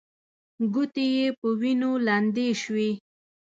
ګوتې يې په وينو لندې شوې.